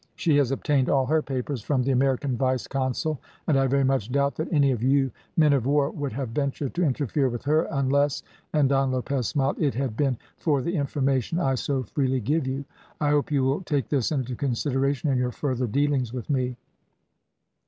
She has obtained all her papers from the American vice consul, and I very much doubt that any of you men of war would have ventured to interfere with her, unless," and Don Lopez smiled, "it had been for the information I so freely give you. I hope you will take this into consideration in your further dealings with me."